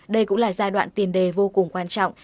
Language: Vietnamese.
đây cũng là giai đoạn tiền đề vô cùng quan trọng